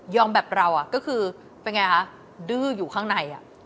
แบบเราก็คือเป็นไงคะดื้ออยู่ข้างใน